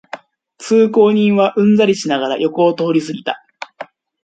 通行人はうんざりしながら横を通りすぎた